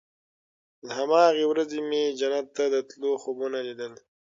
له هماغې ورځې مې جنت ته د تلو خوبونه ليدل.